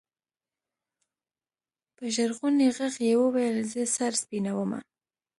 په ژړغوني ږغ يې ويل زه سر سپينومه.